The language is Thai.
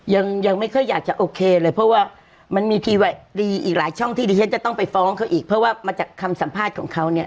ยังยังไม่ค่อยอยากจะโอเคเลยเพราะว่ามันมีทีอีกหลายช่องที่ดิฉันจะต้องไปฟ้องเขาอีกเพราะว่ามาจากคำสัมภาษณ์ของเขาเนี่ย